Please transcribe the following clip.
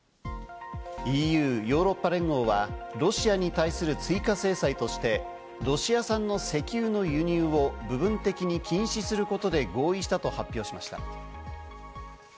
ＥＵ＝ヨーロッパ連合はロシアに対する追加制裁として、ロシア産の石油の輸入を部分的に禁止することで合意したと発表しました。